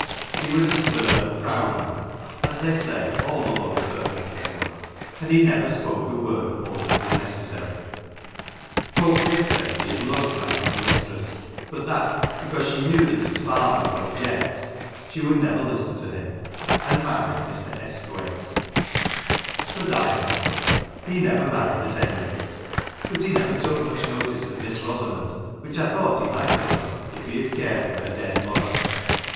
He was a stern, proud man, as they say all the Lord Furnivalls were ; and he never spoke a word more than was necessaiy. Folk did say he had loved my young mistress ; but that, because she knew that his father would object, she would never listen to him, and married Mr. Esthwaite ; but I don't know. He never married at any rate. But he never took much notice of hliss Rosa¬ mond ; which I thought he might have done if he had cared for her dead mother.